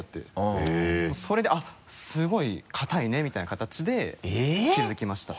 それで「すごい硬いね」みたいなかたちで気づきました。